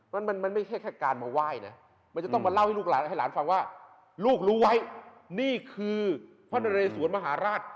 มันมันไม่ใช่แค่การมาไหว้นะมันจะต้องมาเล่าให้ลูกหลานให้หลานฟังว่าลูกรู้ไว้นี่คือพระนเรสวนมหาราช